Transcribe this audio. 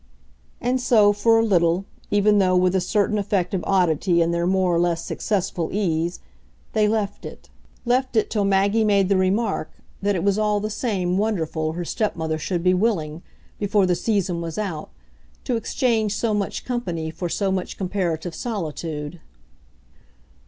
And so, for a little, even though with a certain effect of oddity in their more or less successful ease, they left it; left it till Maggie made the remark that it was all the same wonderful her stepmother should be willing, before the season was out, to exchange so much company for so much comparative solitude.